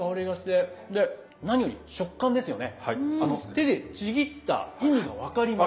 手でちぎった意味が分かります。